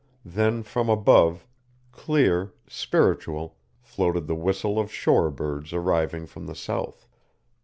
Then from above, clear, spiritual, floated the whistle of shore birds arriving from the south.